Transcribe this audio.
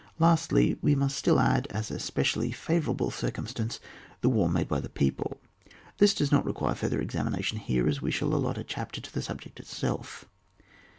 Lastly, we must add still, as a specially favourable circumstance, the war made by the people. This does not require further examination here, as we shall allot a chapter to the subject itself.